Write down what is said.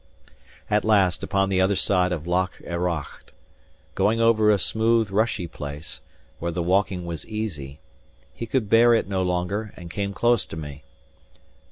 At last, upon the other side of Loch Errocht, going over a smooth, rushy place, where the walking was easy, he could bear it no longer, and came close to me.